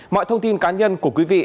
mọi thông tin cá nhân của quý vị